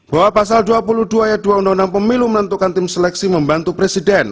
bahwa pasal dua puluh dua ayat dua undang undang pemilu menentukan tim seleksi membantu presiden